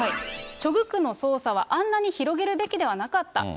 チョ・グクの捜査はあんなに広げるべきではなかった。